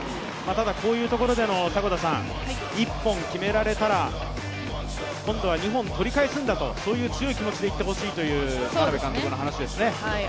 ただ、こういうところでの一本決められたら今度は２本取り返すんだとそういう強い気持ちでいってほしいという眞鍋監督の話ですね。